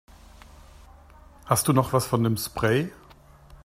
Hast du noch was von dem Spray?